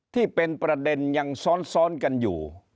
ที่เป็นประเด็นยังซ้อนกันอยู่